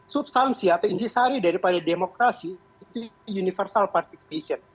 substansi atau indisari daripada demokrasi universal participation